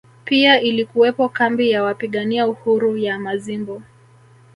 Pia ilikuwepo kambi ya wapigania uhuru ya Mazimbu